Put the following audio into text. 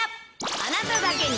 あなただけに！